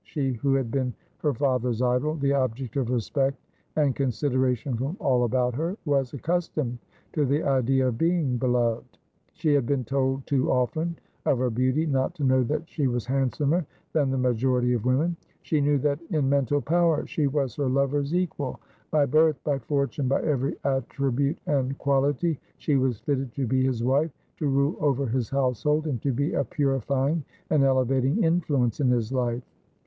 She, who had been her father's idol, the object of respect and consideration from all about her, was accustomed to the idea of being beloved. She had been told too often of her beauty not to know that she was handsomer than the majority of women. She knew that in mental power she was her lover's equal ; by birth, by fortune, by every attribute and quality, she was fitted to be his wife, to rule over his household, and to be a purifying and elevating influence in his life.